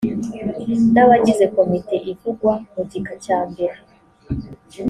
n abagize komite ivugwa mu gika cya mbere